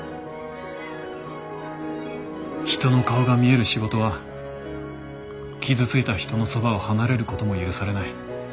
人の顔が見える仕事は傷ついた人のそばを離れることも許されない。